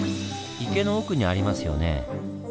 池の奥にありますよね。